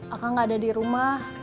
akang gak ada dirumah